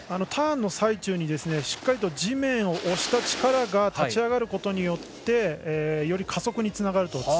ターンの最中にしっかり地面を押した力が立ち上がることによってより加速につながると。